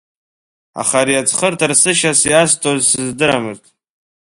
Аха ари аӡхыҵра рсышьас иасҭоз сыз-дырамызт.